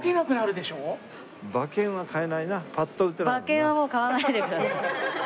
馬券はもう買わないでください。